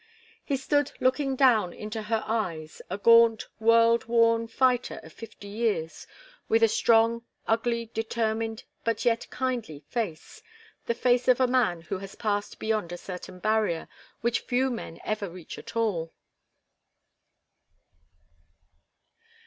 He stood looking down into her eyes, a gaunt, world worn fighter of fifty years, with a strong, ugly, determined but yet kindly face the face of a man who has passed beyond a certain barrier which few men ever reach at all.